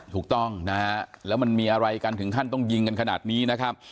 ถูกต้องนะฮะแล้วมันมีอะไรกันถึงขั้นต้องยิงกันขนาดนี้นะครับ